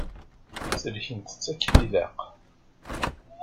Sellkent-tt akken ilaq.